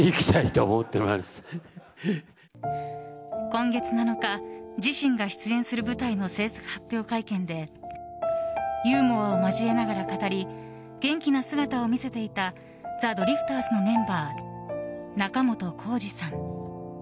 今月７日、自身が出演する舞台の制作発表会見でユーモアを交えながら語り元気な姿を見せていたザ・ドリフターズのメンバー仲本工事さん。